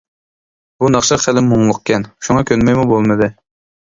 بۇ ناخشا خىلى مۇڭلۇقكەن، شۇڭا كۆنمەيمۇ بولمىدى.